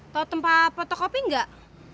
tau tempat potok kopi gak